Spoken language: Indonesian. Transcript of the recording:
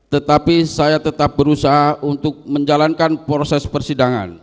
tetapi saya tetap berusaha untuk menjalankan proses persidangan